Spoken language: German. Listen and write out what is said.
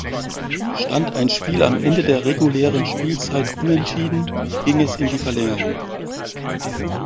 Stand ein Spiel am Ende der regulären Spielzeit unentschieden, ging es in die Verlängerung.